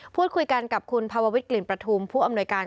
พูดคุยกันกับคุณภาววิทกลิ่นประทุมผู้อำนวยการ